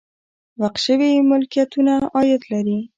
وقف شوي ملکیتونه عاید لري